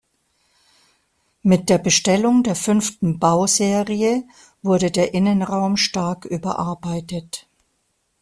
Mit der Bestellung der fünften Bauserie wurde der Innenraum stark überarbeitet.